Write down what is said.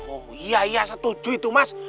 oh iya iya setuju itu mas